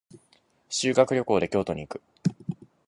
修学旅行で京都に行く。